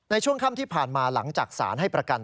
ในช่วงค่ำที่ผ่านมาหลังจากสารให้ประกัน